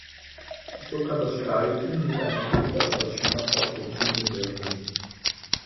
So kann das Streicheln mit einer Feder als schmerzhaft empfunden werden.